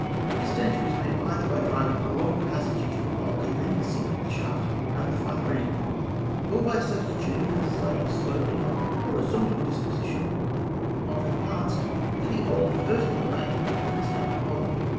This danger was met either by driving a long passage into the rock, and then sinking the shaft at the farther end, or by substituting a slightly sloping or horizontal disposition of the parts for the old vertical arrangement of the mastaba model.